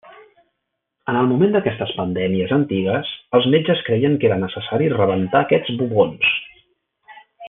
En el moment d'aquestes pandèmies antigues, els metges creien que era necessari rebentar aquests bubons.